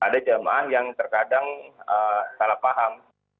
ada jamaah yang terkadang salah paham